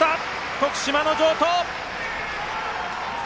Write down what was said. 徳島の城東！